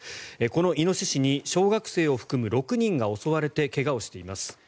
このイノシシに小学生を含む６人が襲われて怪我をしています。